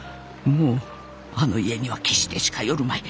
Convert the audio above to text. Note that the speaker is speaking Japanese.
もうあの家には決して近寄るまい。